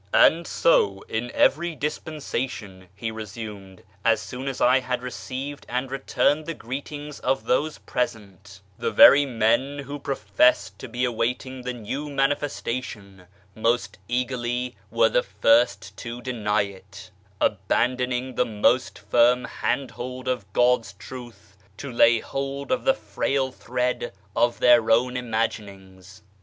" And so in every dispensation," he resumed, as soon as I had received and returned the greetings of those jiresent, "the very men who professed to be awaiting the new ^Manifestation most eagerly were the first to deny it, abandon ing the ' Most Firm Hand hold ' of God's Truth to lay hold of I he frail thread of their own imaginings.